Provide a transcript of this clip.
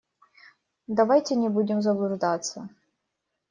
Давайте не будем заблуждаться.